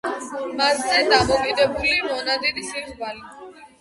მასზეა დამოკიდებული მონადირის იღბალი.